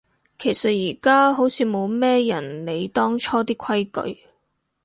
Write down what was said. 其實而家好似冇咩人理當初啲規矩